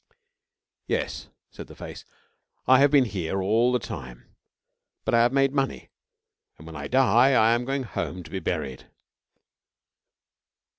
'Yes,' said the Face, 'I have been here all the time. But I have made money, and when I die I am going home to be buried.'